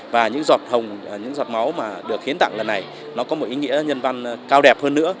và những giọt máu được khiến tặng lần này có một ý nghĩa nhân văn cao đẹp hơn nữa